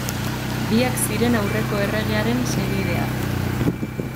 Biak ziren aurreko erregearen senideak.